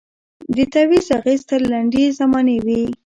د تعویذ اغېز تر لنډي زمانې وي